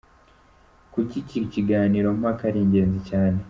Kuki iki kiganiro mpaka ari ingenzi cyane? .